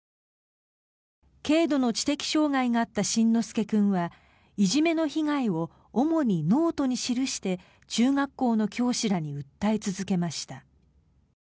軽度の知的障害があった辰乃輔君は、いじめの被害を主にノートに記して中学校の教師ら訴え続けました。